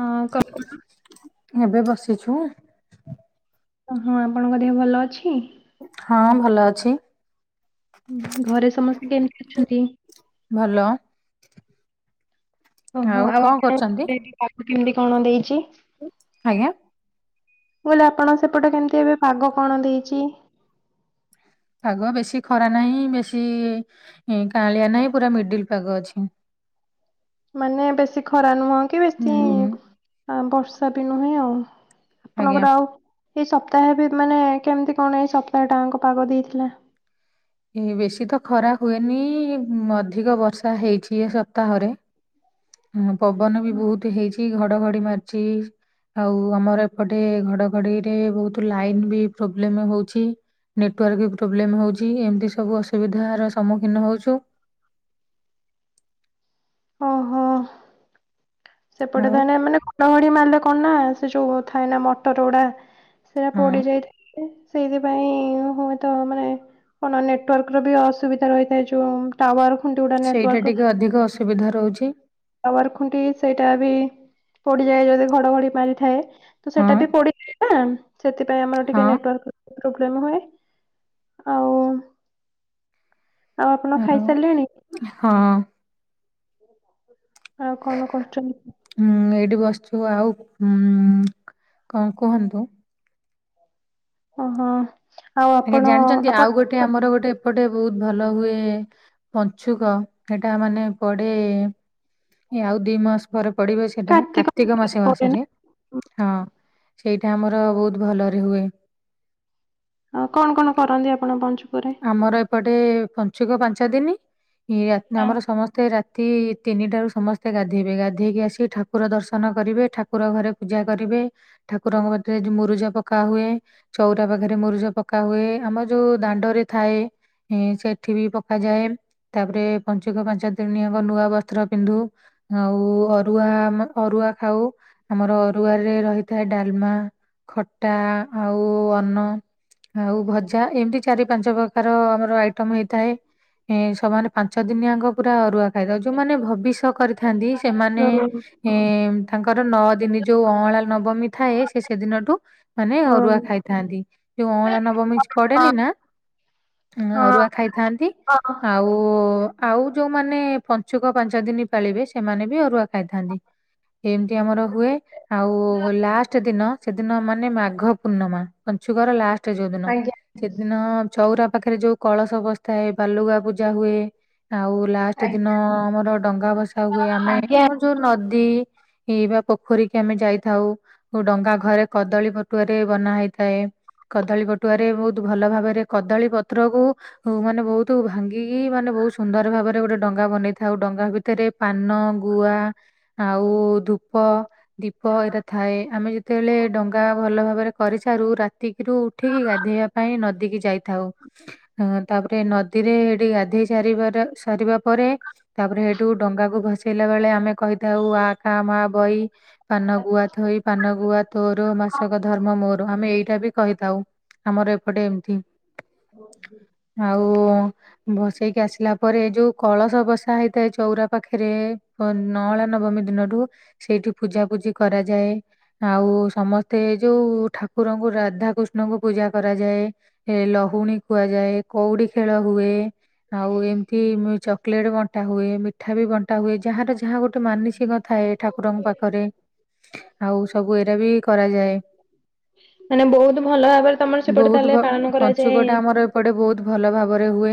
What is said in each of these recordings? ହଁ କଣ କହିଲ? ଛୁଆ ଓହୋ, ଆପଣଙ୍କ ଦେହ ଭଲ ଅଛି? ହଁ, ଭଲ ଅଛି। ହୁଁ ଘରେ ସମସ୍ତେ କେମିତି ଅଛନ୍ତି? ଭଲ। ଓହୋ, ଆଉ କଣ ଆପଣ କରୁଛନ୍ତି କାମ କେମିତି କଣ ଦେଇଚି? ଆଜ୍ଞା? ମୁ କହିଲେ ଆପଣ ସେପଟେ କେମିତି ଏବେ ପାଗ କଣ ଦେଇଚି? ପାଗ ବେଶୀ ଖରା ନାହିଁ, ବେଶୀ କାଁଳିଆ ନାହିଁ ପୁରା ମିଡିଲ ପାଗ ଅଛି। [inaudible] ମାନେ ବେଶୀ ଖରା ନୁହଁ କି ବେଶୀ ହୁଁ ବର୍ଷା ବି ନୁହେଁ ଆଉ। ଆଜ୍ଞା ଆପଣଙ୍କର ଆଉ ଏଇ ସପ୍ତାହରେ ମାନେ କେମିତି କଣ ଏଇ ସପ୍ତାହ ଟାଙ୍କ ପାଗ ଦେଇଥିଲା? ଏଇ ବେଶୀ ତ ଖରା ହୁଏନି ଅଧିକ ବର୍ଷା ହେଇଚି ଏ ସପ୍ତାହରେ। ହୁଁ ପବନ ବି ବହୁତ ହେଇଚି ଘଡଘଡି ମାରିଚି। ଆଉ ଆମର ଏପଟେ ଘଡ଼ଘଡ଼ିରେ ବହୁତ ଲାଇନ୍ ବି ପ୍ରୋବ୍ଲେମ ହଉଚି। ନେଟୱାର୍କ ପ୍ରୋବ୍ଲେମ ହଉଚି କି ଏମିତି ସବୁ ଅସୁବିଧାର ସମ୍ମୁଖୀନ ହଉଚ? [inaudible] ଓହୋ ସେପଟେ ଆଉ ଥାଏ ମାନେ ଘଡ଼ଘଡ଼ି ମାରେ କଣ ନା ସେ ଯୋଉ ଥାଏ ନା ମଟର ଗୁଡ଼ା ସେଇଟା ହଁ ପୋଡ଼ି ଯାଇଥାଏ ସେଇଥିପାଇଁ ହୁଏତ ମାନେ କଣ ନେଟୱାର୍କ ର ବି ଅସୁବିଧା ରହିଥାଏ ଯୋଉ ଟାୱାର ଏମିତି ଗୋଟେ ସେଇଟା ନେଟୱାର୍କ, ଟିକେ ଅଧିକ ଅସୁବିଧା ରହୁଛି ଟାୱାର ଖୁଣ୍ଟି ସେଟା ବି ପୋଡ଼ିଯାଏ ଯଦି ଘଡ଼ଘଡ଼ି ମାରିଥାଏ ତ ହଁ ସେଟା ବି ପୋଡ଼ିଯାଏ ନା। ସେଥିପାଇଁ ଆମର ଟିକେ ହଁ ନେଟୱାର୍କ ପ୍ରୋବ୍ଲେମ୍ ହୁଏ ଆଉ ଆଉ ଆପଣ ଖାଇସାରିଲେଣି? ହଁ ଆଉ କଣ କରୁଚନ୍ତି? ଏ ବସିଚୁ ଆଉ ଉଁ କଣ କୁହନ୍ତୁ। ଓ ହୋ। ଆଜ୍ଞା ଜାଣିଚନ୍ତି ଆଉ ଗୋଟେ ଆମର ଗୋଟେ ଏପଟେ ବହୁତ ଭଲ ହୁଏ ପଞ୍ଚୁକ ସେଟା ମାନେ ପଡ଼େ ଆଉ ଦିଇ ମାସ ପରେ ପଡ଼ିବ ସେଟା କାର୍ତ୍ତିକ ମାସ ପଡେ ନା ମାସରେ ହଁ। ସେଇଟା ଆମର ବହୁତ ଭଲରେ ହୁଏ। ଆଉ କଣ କଣ କରନ୍ତି ଆପଣ ପଞ୍ଚୁକ ଆମର ଏପଟେ ପଞ୍ଚୁକ ପାଞ୍ଚ ଦିନ, ଇଏ ହଁ। ଆମର ସମସ୍ତେ ରାତି ତି ତିନିଟାରୁ ସମସ୍ତେ ଗାଧେଇବେ ଗାଧେଇକି ଆସି ଠାକୁର ଦର୍ଶନ କରିବେ ଠାକୁର ଘରେ ପୂଜା କରିବେ, ଠାକୁରଙ୍କ ପାଖରେ ମୁରୁଜ ପକା ହୁଏ। ଚଉରା ପାଖରେ ମୁରୁଜ ପକା ହୁଏ। ଆମର ଯୋଉ ଦାଣ୍ଡ ରେ ଥାଏ ସେଠି ବି ପକାଯାଏ। ତାପରେ ପଞ୍ଚୁକ ପାଞ୍ଚ ଦିନଆଙ୍କ ନୂଆ ବସ୍ତ୍ର ପିନ୍ଧୁ ଆଉ ଅରୁଆ ଆମ ଅରୁ ରୁଆ ଖାଉ ଆମର ଅରୁଆ ରେ ରହିଥାଏ ଡାଲମା ଖଟା ଆଉ ଅନ୍ନ ଆଉ ଭଜା ଏମିତି ଚାରି ପାଞ୍ଚ ପ୍ରକାର ଆମର ଆଇଟମ ହେଇଥାଏ। ଏ ସମାନେ ପାଞ୍ଚ ଦିନିଆଙ୍କ ପୁରା ଅରୁଆ ଖାଇଥାଉ ଯୋଉମାନେ ଭବିଷ କରିଥାନ୍ତି ସେମାନେ ହଁ ଏ ତାଙ୍କର ନଅ ଦିନ ଯୋଉ ଅଁଳା ନବମୀ ଥାଏ ସେ ସେଦିନଠୁ ମାନେ ଅରୁଆ ହଁ ଖାଇଥାନ୍ତି ଯୋଉ ଅଁଳା ନବମୀ ପଡ଼େନି ନା ହଁ ଅରୁଆ ଖାଇଥାନ୍ତି ହଁ। ଆଉ ଆଉ ଯୋଉମାନେ ପଞ୍ଚୁକ ପାଞ୍ଚ ଦିନ ପାଳିବେ ସେମାନେ ବି ଅରୁଆ ଖାଇଥାନ୍ତି। ଏମିତି ଆମର ହୁଏ ଆଉ ଲାଷ୍ଟ ଦିନ ସେଦିନ ମାନେ ମାଘ ପୂର୍ଣ୍ଣିମା ପଞ୍ଚୁକର ଲାଷ୍ଟ ଯୋଉଦିନ ସେଦିନ ଚଉରା ପାଖରେ ଯୋଉ କଳସ ବସିଥାଏ ବାଲୁଗା ପୂଜା ହୁଏ। ଆଉ ଲାଷ୍ଟ ଦିନ ଆମର ଡଙ୍ଗା ବସା ହୁଏ ଆମେ ଆମର ଯୋଉ ନଦୀ ଏଇ ବା ପୋଖରୀ କି ଆମେ ଯାଇଥାଉ ଡଙ୍ଗା ଘରେ କଦଳୀ ପଟୁଆରେ ବନା ହେଇଥାଏ। କଦଳୀ ପଟୁଆରେ ବହୁତ ଭଲ ଭାବରେ କଦଳୀ ପତ୍ର କୁ ମାନେ ବହୁତ ଭାଙ୍ଗିକି ମାନେ ବହୁତ ସୁନ୍ଦର ଭାବରେ ଗୋଟେ ଡଙ୍ଗା ବନେଇଥାଉ। ଡ ଡଙ୍ଗା ଭିତରେ ପାନ ଗୁଆ ଆଉ ଧୂପ ଦୀପ ଏରା ଥାଏ ଆମେ ଯେତେବେଳେ ଡଙ୍ଗା ଭଲ ଭାବ ଭାବରେ କରିସାରୁ ରାତିକିରୁ ଉଠିକି ଗାଧେଇବା ପାଇଁ ନଦୀକି ଯାଇ ଥାଉ ତାପରେ ନଦୀରେ ହେଠି ଗାଧେଇ ସାରିବାର ସାରିବା ପରେ ତାପରେ ହେଠୁ ଡଙ୍ଗାକୁ ଭସେଇଲା ବେଳେ ଆମେ କହିଥାଉ ଆ କା ମା ବଇ ପାନ ଗୁଆ ଥୋଇ ପାନ ଗୁଆ ତୋର ମାସକ ଧର୍ମ ମୋର। ଆମେ ଏଇଟା ବି କହିଥାଉ ଆମର ଏପଟେ ଏମିତି। ଓ ହ। ଓ ଭସେଇକି ଆସିଲା ପରେ ଯୋଉ କଳସ ବସା ହେଇଥାଏ ଚଉରା ପାଖେରେ ନଁଳା ନବମୀ ଦିନ ରୁ ସେଇଠି ପୂଜାପୂଜି କରାଯାଏ ଆଉ ସମସ୍ତେ ଏ ଯୋଉ କୁ ଠାକୁରଙ୍କୁ ରାଧାକୃଷ୍ଣଙ୍କୁ ପୂଜା କରାଯାଏ। ଲହୁଣୀ ଖୁଆଯାଏ କଉଡି ଖେଳ ହୁଏ ଆଉ ଏମିତି ମ୍ୟୁଚ ଚକଲେଟ ବଣ୍ଟା ହୁଏ ମିଠା ବି ବଣ୍ଟା ହୁଏ ଯାହାର ଯାହା ଗୋଟେ ମାନସିକ ଥାଏ ଠାକୁରଙ୍କ ପାଖରେ। ଆଉ ସବୁ ଏରା ବି କରାଯାଏ। ମାନେ ବହୁତ ଭଲ ଭାବରେ ତମର ସେପଟେ ବହୁତ ତାହେଲେ ଭ- ପାଳନ କ ପଞ୍ଚୁକଟା ଆମର ଏପଟେ ବହୁତ ଭଲ ଭାବରେ ହୁଏ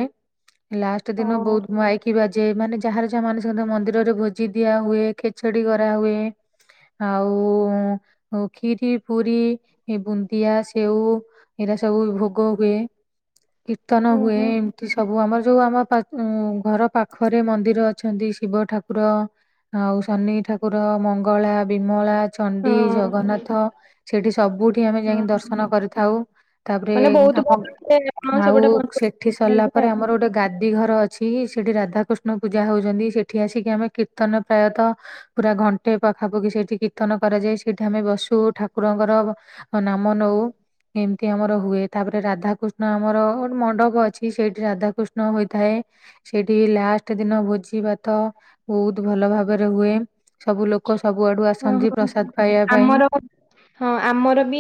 ଲାଷ୍ଟ ଦିନ ହଁ ବହୁତ ମାଇକି ବା ଯେ ମାନେ ଯାହାର ଯାହା ମାନସିକ ଥାଏ ମନ୍ଦିରରେ ଭୋଜି ଦିଆ ହୁଏ ଖେଚେଡି କରାହୁୁଏ। ଆଉ ଖିରି ପୁରୀ ବୁନ୍ଦିଆ ସେଉ ଏରା ଏା ସବୁ ଭୋଗ ହୁଏ କୀର୍ତ୍ତନ ହୁଁ ହୁଏ ହୁଁ ଏମିତି ସବୁ ଆମର ଯୋଉ ଆମ ପା ଘର ପାଖରେ ମନ୍ଦିର ଅଛନ୍ତି ଶିବ ଠାକୁର। ଆଉ ଶନି ଠାକୁର ମଙ୍ଗଳା ବିମଳା ଚଣ୍ଡି ହଁ। ଜଗନ୍ନାଥ ସେଠି ସବୁ ଠି ଆମେ ଯାଇକି ହଁ ଦର୍ଶନ କରିଥାଉ ତାପରେ ମାନେ ବହୁତ ଆମ ଭଲ ସେ ହଁ ଆଉ ସେପଟେ ପଞ୍ଚ ସେଠି ସରିଲା ପରେ ଆଉ। ଆମର ଗୋଟେ ଗାଦି ଘର ଅଛି ସେଠି ରାଧା କୃଷ୍ଣ ପୂଜା ହଉଛନ୍ତି ସେଠି ଆସିକି ଆମେ କୀର୍ତନ ପ୍ରାୟତ ପୁରା ଘଣ୍ଟେ ପାଖାପାଖି ସେଠି କୀର୍ତ୍ତନ ନ କରାଯାଏ ସେଠି ଆମେ ବସୁ ଠାକୁରଙ୍କର ନାମ ନଉ ଏମିତି ଆମର ହୁଏ। ତାପରେ ରାଧାକୃଷ୍ଣ ଆମର ଗୋଟେ ମଣ୍ଡପ ଅଛି ସେଇଠି ରାଧାକୃଷ୍ଣ ହୋଇଥାଏ ସେଇଠି ଲା ଫାଷ୍ଟ ଦିନ ଭୋଜି ଭା ତ ବହୁତ ଭଲ ଭାବରେ ହୁଏ ସବୁ ଲୋକ ସବୁଆଡୁ ଆସନ୍ତି ଓହୋ ପ୍ରସାଦ ପାଇବା ପାଇଁ। ଆମର ହଁ ଆମର ବି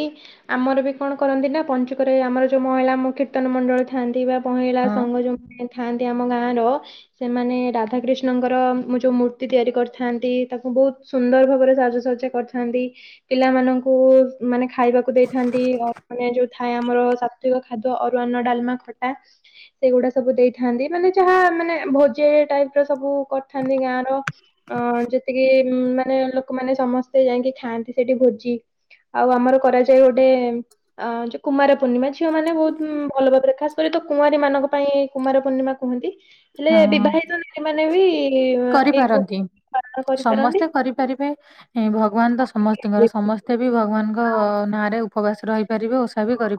ଆମର ବି କଣ କରନ୍ତି ନା ପଞ୍ଚ ରେ ଆମର ଯୋଉ ମହିଳା କୀର୍ତ୍ତନ ମଣ୍ଡଳ ଥାନ୍ତି ବା ମହିଳା ହଁ ସଂଘ ଯୋଉମାନେ ଥାନ୍ତି ଆମ ଗାଁ ର ସେମାନେ ରାଧାକୃିଷ୍ଣ କୃଷ୍ଣଙ୍କର ମୁ ଯୋଉ ମୂର୍ତ୍ତି ତିଆରି କରିଥାନ୍ତି ତାକୁ ବହୁତ ସୁନ୍ଦର ଭାବରେ ସାଜସଜ୍ଜା କରିଥାନ୍ତି। ପିଲାମାନାନଙ୍କୁ ମାନେ ଖାଇବାକୁ ଦେଇଥାନ୍ତି ମାନେ ଯୋଉ ଥାଏ ଆମର ସାତ୍ଵିକ ଖାଦ୍ୟ ଅରୁ ଅର୍ଣ୍ଣ ଡାଲମା ଖଟା ସେଇଗୁଡ଼ା ସବୁ ଦେଇଥାନ୍ତି ମାନେ ଯାହା ମାନେ ଭୋଜି ଟାଇପର ସବୁ କରିଥାନ୍ତି ଗାଁ ର ଅ ଯେତିକି ମାନେ ଲୋକମାନେ ସମସ୍ତେ ଯାଇକି ଖାଆନ୍ତି। ସେଠି ଭୋଜି। ଆଉ ଆମର କରାଯାଏ ଗୋଟେ ଅ ଯୋଉ କୁମାର ପୂର୍ଣ୍ଣିମା ଝିଅ ମାନେ ବହୁତ ଭଲ ଭାବରେ ଖାସ କରି ତ କୁଆରୀ ମାନଙ୍କ ପାଇଁ କୁମାର ପୂର୍ଣ୍ଣିମା କୁହନ୍ତି ହେଲେ ହଁ ବିବାହିତ ନାରୀ ମାନେ ବି ଏକ କରିପାରନ୍ତି [inaudible] ସମସ୍ତେ କରିପାରିବେ ଭଗବାନ ତ ସମସ୍ତିଙ୍କର ସମସ୍ତେ ବି ଭଗବାନଙ୍କ ନାଁରେ ଉପବାସ ରହି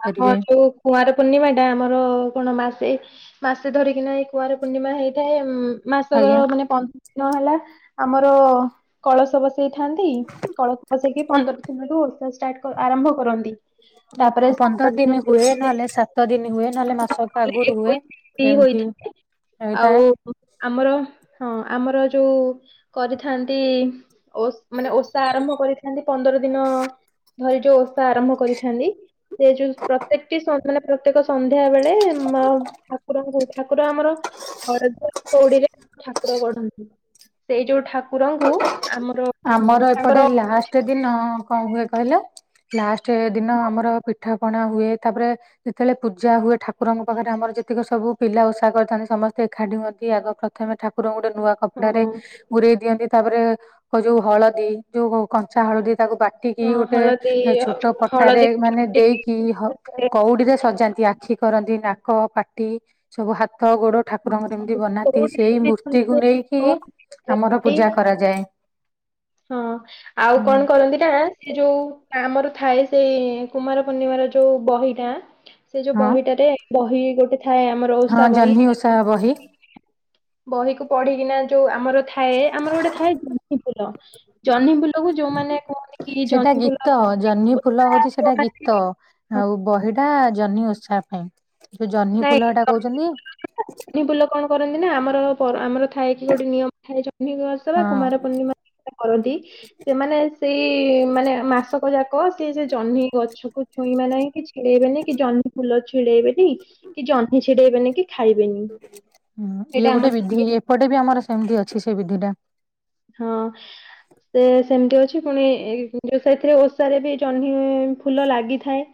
ଆମର ଯୋଉ କୁଆଁର ପୂର୍ଣ୍ଣିମା ଟା ଆମର କଣ ମାସେ ମାସେ ଧରିକିନା ଏଇ କୁଆଁର ପୂର୍ଣ୍ଣିମା ହେଇଥାଏ ଉଁ ମାସକର ଆଜ୍ଞା ମାନେ ପନ୍ଦର ଦିନ ହେଲା ଆମର କଳସ ବସେଇଥାନ୍ତି କଳସ ବସେଇକି ପନ୍ଦର ଦିନରୁୁ ଓଷା ଷ୍ଟାର୍ଟ ଆରମ୍ଭ କରନ୍ତି। ତାପରେ ସାତ ପନ୍ଦର ଦିନ ହୁଏ ନହେଲେ ସାତ ଦିନ ହୁଏ ନହେଲେ ମା ଏକୋଇସି ଦିନିବି ହୋଇଥାଏ ରହିଥାଏ ଆଉ ଆମର ହଁ ଆମର ଯୋଉ କରିଥାନ୍ତି ଓସ୍ ମାନେ ଓଷା ଆରମ୍ଭ କରିଥାନ୍ତି ପନ୍ଦର ଦିନ ଧରି ଯୋଉ ଓଷା ଆରମ୍ଭ କରିଥାନ୍ତି ସେ ଯୋଉ ପ୍ରତ୍ୟେକଟି ସ ମାନେ ପ୍ରତ୍ୟେକ ସନ୍ଧ୍ୟା ବେଳେ ମା ଠାକୁରଙ୍କୁ ଠାକୁର ଆମର ହଳଦୀଆ କୋଡିରେ ଠାକୁର ଗଢନ୍ତି। ସେଇ ଯୋଉ ଠାକୁରଙ୍କୁ ଆମର ଆମର ଏପଟେ ତାଙ୍କର ଲାଷ୍ଟ ଦିନ କଣ ହୁଏ କହିଲ ଲାଷ୍ଟ ଚେ ଦିନ ଆମର ପିଠା ପଣା ହୁଏ ତାପରେ ଯେତେବେଳେ ପୂଜା ହୁଏ ଠାକୁରଙ୍କ ପାଖରେ ଆମର ଯେତିକ ସବୁ ପିଲା ଓଷା କରିଥାନ୍ତି ସମସ୍ତେ ଏକାଠି ହୁଅନ୍ତି ଆଗ ପ୍ରଥମେ ଠାକୁରଙ୍କୁ ଗୋଟେ ନୂଆ କପଡାରେ ହଁ ଘୁରେଇ ଦିଅନ୍ତି ତାପରେ ଯୋଉ ହଳଦୀ ଯୋଉ କଞ୍ଚା ହଳଦୀ ତାକୁ ବାଟିକି ହଁ ଗୋଟେ ହଳଦୀ ଛୋଟ ପଟାରେ ହଳଦୀ ମାନେ ଦେଇକି ହ କଉଡିରେ ସଜାନ୍ତି। ଆଖି କରନ୍ତି ନାକ ପାଟି ସବୁ ହାତ ହାତ ଗୋଡ ଠାକୁରଙ୍କର ଏମିତି ବନାନ୍ତି ସେଇ ମୂର୍ତ୍ତିକୁ ନେଇକି ଆମର କଉଡିରେ ପୂଜା କରାଯାଏ। ହଁ ଆଉ ହୁଁ କଣ କରନ୍ତି ନା ସେ ଯୋଉ ଆମର ଥାଏ ସେଇ କୁମାର ପୂର୍ଣ୍ଣିମାରେ ଯୋଉ ବହିଟା ସେ ଯୋଉ ହଁ ବହିଟାରେ ବହି ଗୋଟେ ଥାଏ ଆମର ହଁ ଓଷା ବହି ଜହ୍ନି ଓଷା ବହି ବହିକୁ ପଢିକିନା ଯୋଉ ଆମର ଥାଏ ଆମର ଗୋଟେ ଥାଏ ଜହ୍ନିିଫୁଲ ଜହ୍ନିିଫୁ ଯୋଉମାନେ କୁ ସେଇଟା ଗୀତ ଜହ୍ନି ଫୁଲ ହଉଛି ସେଇଟା ଯୋଉମାନେ ଗୀତ ଆଉ ବହିଟା ଜହ୍ନି ଓଷା ପାଇଁ ଯୋଉ ଜହ୍ନି ନାଇଁ ଫୁଲ ଏଟା କହୁଛନ୍ତି ଜହ୍ନିଫୁଲରେ ନା ଜହ୍ନିଫୁଲ କଣ କରନ୍ତି ନା ଆମର ଆମର ଥାଇକି ଗୋଟେ ନିୟମ ଥାଏ ଜହ୍ନି ଗଛ ର ହଁ କୁମାର ପୂର୍ଣ୍ଣିମା କରନ୍ତି ସେମାନେ ସେଇ ମାନେ ମାସକ ଯାକ ସେ ଜହ୍ନି ଗଛକୁ ଛୁଇଁ ନାହିଁ କି ଛିଡେଇବେନିଁ କି ଜହ୍ନି ଫୁଲ ଛିଡେଇବେନି କି ଜହ୍ନି ଛିଡେଇବେନି କି ଖାଇବେନି ହଁ ଏଇଟା ଇଏ ଗୋଟେ ଆମର ଥାଏ ବିଧି ଏପଟେ ବି ଆମର ସେମିତି ଅଛି ସେ ବିଧି ଟା ହଁ ସେ ସେମିତି ଅଛି ପୁଣି ଏଇ ସେଥିରେ ଓଷାରେ ବି ଜହ୍ନି ଫୁଲ ଲାଗିଥାଏ।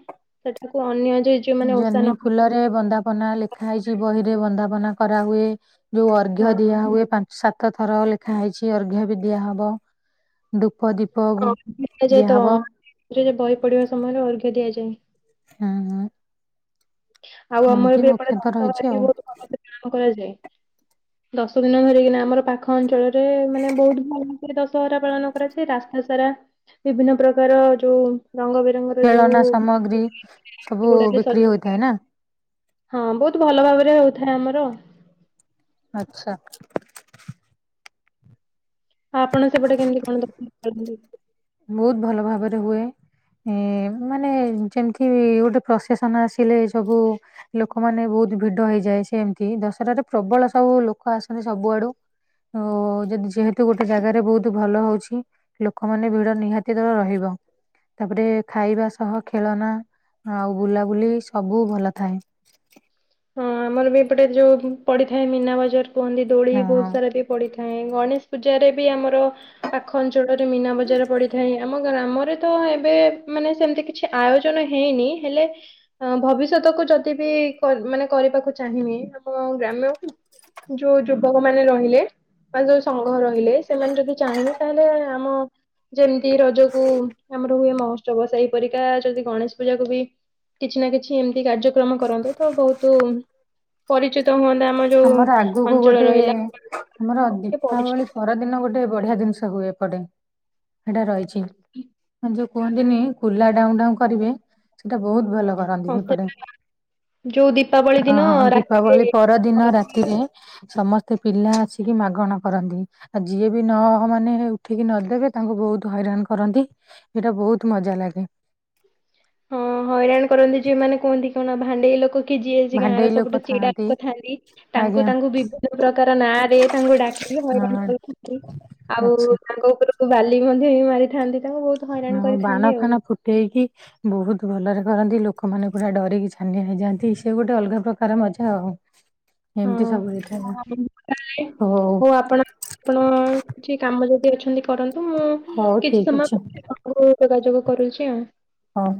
ସେଠାକୁ ଅନ୍ୟ ଯେ ଯୋଉମାନେ ଓଷା ନ ଜହ୍ନି ଫୁଲ ରେ ବନ୍ଦାପନା ଲେଖା ହେଇଛି ବହି ରେ ବନ୍ଦାପନା କରାହୁଏ। ଯୋଉ ଅର୍ଘ ହଁ ଦିଆ ହୁଏ ପାଞ୍ଚ ସାତ ଥର ଲେଖା ହେଇଛି ଅର୍ଘ୍ୟ ବି ଦିଆ ହବ ଦୃ ତ ଦିଆଯାଏ ତ ବହି ପଢିବା ସମୟରେ ଅର୍ଘ୍ୟ ଦିଆଯାଏ। ହଁ ହ ଆଉ ଆମର ବି ଏପଟେ ଦଶହରା ରହିଛି ବି ଆଉ ବହୁତ ଭଲସେ ପାଳନ କରାଯାଏ। ଦଶ ଦିନ ଧରିକିନା ଆମର ପାଖ ଅଞ୍ଚଳରେ ମାନେ ବହୁତ ଭଲ ଭାବରେ ଦଶହରା ପାଳନ କରାଯାଏ ରାସ୍ତା ସାରା ବିଭିନ୍ନ ପ୍ରକାର ଯୋଉ ରଙ୍ଗ ବିରଙ୍ଗର ଯୋଉ ଖେଳନା ସାମଗ୍ରୀ ସବୁ ସେଗୁଡାକ ବି ସ ବିକ୍ରି ହୋଇଥାଏ ନା ହଁ ବହୁତ ଭଲ ଭାବରେ ହଉଥାଏ ଆମର ଆଚ୍ଛା। ଆଉ ଆପଣ ସେପଟେ କେମିତି କଣ [unintelligible] ବହୁତ ଭଲ ଭାବରେ ହୁଏ। ଏ ମାନେ ଯେମିତି ଗୋଟେ ପ୍ରସେସନ ଆସିଲେ ସବୁ ଲୋକମାନେ ବହୁତ ବହୁତ ଭିଡ ହେଇଯାଏ ସେ ସେମିତି ଦଶହାରେ ପ୍ରବଳ ସବୁ ଲୋକ ଆସନ୍ତି ସବୁଆଡୁ ଓ ଯଦି ଯେହେତୁ ଗୋଟେ ଜାଗାରେ ବହୁତ ଭଲ ହଉଛି ଲୋକମାନେ ଭିଡ ନିହାତି ଦର ରହିବ ତାପରେ ଖାଇବା ସହ ଖେଳନା ଆଉ ବୁଲାବୁଲି ସବୁ ଭଲ ଥାଏ। ହଁ ଆମର ବି ଏପଟେ ଯୋଉ ପଡିଥାଏ ମୀନା ବଜାର କୁହନ୍ତି ଦୋଳି ହଁ ବହୁତ ସାରା ବି ପଡିଥା ଥାଏ ଗଣେଶ ପୂଜାରେ ବି ଆମର ପାଖ ଅଞ୍ଚଳରେ ମୀନା ବଜାର ପଡିଥାଏ। ଆମ ଗ୍ରାମରେ ତ ଏବେ ମାନେ ସେମତି କିଛି ଆୟୋଜନ ହେଇନି ହେଲେ ଭବିଷ୍ୟତକୁ ଯଦି ବି କର୍ ମାନେ କରିବାକୁ ଚାହିଁବି ଆମ ଗ୍ରାମ୍ୟକୁ ଯୋଉ ଯୁବକ ମାନେ ରହିଲେ ବା ଯୋଉ ସମ ଘର ହେଲେ ସେମାନେ ଯଦି ଚାହିଁବେ ତାହେଲେ ଆମ ଯେମତି ରଜକୁ ଆମର ହୁଏ ମହୋ ତ୍ସବ ସେହିପରିକା ଯଦି ଗଣେଶ ପୂଜାକୁ ବି କିଛି ନା କିଛି ଏମତି କାର୍ଯ୍ୟକ୍ରମ କରନ୍ତେ, ତ ବହୁତ ତୁ ପରିଚିତ୍ ଆମର ଆଗକୁ ଗୋଟିଏ ଆମର ଟିକେ ଦୀପାବଳି ପରିଚିତ ପରଦିନ ଗୋଟେ ବଢିଆ ଜିନିଷ ହୁଏ। ଏପଟେ ସେଇଟା ରହିଛି, କଣ ଯୋଉ କୁହନ୍ତିନି କୁଲା ଡାଉଁ ଡାଉଁ କରିବେ, ସେଇଟା ବହୁତ ଭଲ କରନ୍ତି ହୁଅନ୍ତେ। ସେପଟେ। ଯୋଉ ଦୀପାବଳି ହଁ ଦିନ ହଁ ରାତିରେ ଦୀପାବଳି ପରଦିନ କରନ୍ତି ରାତିରେ ସମସ୍ତେ ପିଲା ଆସିକି ମାଗଣ କରନ୍ତି। ଆଉ ଯିଏ ବି ନ ମାନେ ଉଠିକି ନଦେବେ ତାଙ୍କୁ ବହୁତ ହଇରାଣ କରନ୍ତି, ଏଇଟା ବହୁତ ମଜା ଲାଗେ। [unintelligible] ଆପଣ ଭାଣ୍ଡେଇ ଲୋକ କି ଯିଏ ହେଇଛି ଗାଁର ଭାଣ୍ଡେଇ ସବୁଠୁ ଲୋକ ଚିଡା ଥାଆନ୍ତି ଲୋକ ଥାନ୍ତି, ତାଙ୍କୁ ଆଜ୍ଞା ତାଙ୍କୁ ବିଭିନ୍ନ ପ୍ରକାର ନାଁରେ ତାଙ୍କୁ ଡାକି ହଇରାଣ ହଁ କରିଥାନ୍ତି, ଆଉ ଆଚ୍ଛା ତାଙ୍କ ଉପରକୁ ବାଲି ମଧ୍ୟ ହି ମାରିଥାନ୍ତି ତାଙ୍କୁ ବହୁତ ହଇରାଣ ହଁ କରିଥାନ୍ତି ବାଣ ଆଉ। ଫାଣ ଫୁଟେଇକି ବହୁତ ଭଲରେ କରନ୍ତି, ଲୋକମାନେ ପୁରା ଡରିକି ଛାନିଆ ହେଇଯାଆନ୍ତି, ସେ ଗୋଟେ ଅଲଗା ପ୍ରକାର ମଜା ଆଉ। ହଁ ଏମିତି ସବୁ ହେଇଥାଏ ହଉ ଆପଣ ଆପଣ କିଛି କାମ ଯେବେ ଅଛନ୍ତି କରନ୍ତୁ, ମୁଁ ହଉ କିଛି ଠିକ ସମୟ ଅଛି ପରେ ଆପଣଙ୍କୁ ଯୋଗାଯୋଗ କରୁଛି ଆଉ। ହଉ।